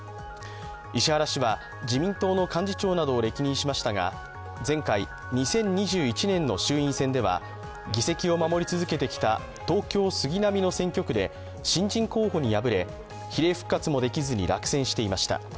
石原氏は自民党の幹事長などを歴任しましたが、前回、２０２１年の衆院選では議席を守り続けてきた東京・杉並の選挙区で新人候補に敗れ、比例復活もできずに落選していました。